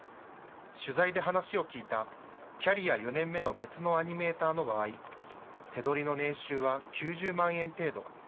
取材で話を聞いたキャリア４年目の別のアニメーターの場合、手取りの年収は９０万円程度。